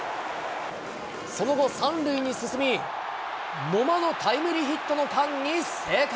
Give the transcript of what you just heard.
その後、３塁に進み、野間のタイムリーヒットの間に生還。